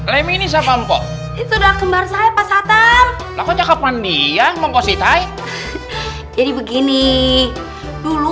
lemih ini siapa mbak itu udah kembar saya pasatam laku cakap mandi yang mau positi jadi begini dulu